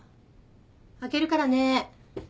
開けるからね。